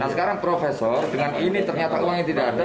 nah sekarang profesor dengan ini ternyata uangnya tidak ada